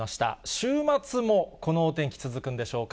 週末もこのお天気続くんでしょうか。